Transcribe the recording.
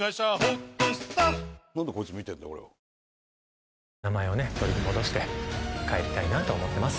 ハロー名前を取り戻して帰りたいなと思ってます。